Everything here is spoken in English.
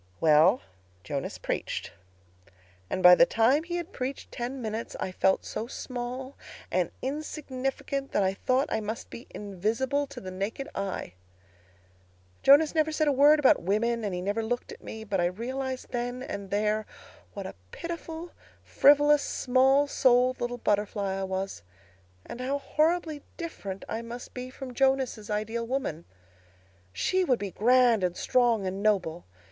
"Well, Jonas preached. And, by the time he had preached ten minutes, I felt so small and insignificant that I thought I must be invisible to the naked eye. Jonas never said a word about women and he never looked at me. But I realized then and there what a pitiful, frivolous, small souled little butterfly I was, and how horribly different I must be from Jonas' ideal woman. She would be grand and strong and noble.